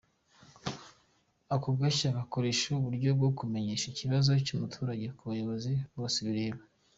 Ako gashya gakoresha uburyo bwo kumenyesha ikibazo cy’umuturage ku bayobozi bose kireba.